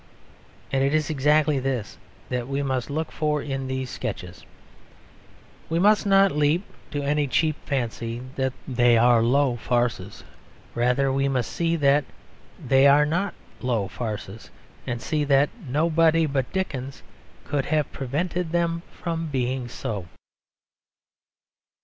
And it is exactly this that we must look for in these Sketches. We must not leap to any cheap fancy that they are low farces. Rather we must see that they are not low farces; and see that nobody but Dickens could have prevented them from being so.